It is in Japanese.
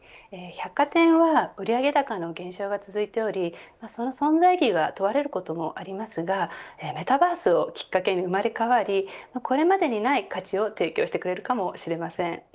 百貨店は売上高の減少が続いておりその存在意義が問われることもありますがメタバースをきっかけに生まれ変わり、これまでにない価値を提供してくれるかもしれません。